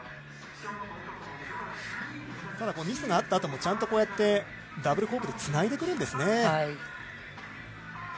ただミスがあったあともちゃんと、こうやってダブルコークでつないでくるんですね。